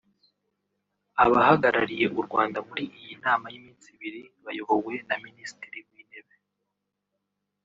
Abahagarariye u Rwanda muri iyi nama y’iminsi ibiri bayobowe na Minisitiri w’Intebe